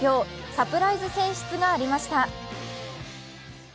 サプライズ選出がありました。